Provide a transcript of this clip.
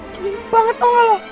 ciri banget tau gak lo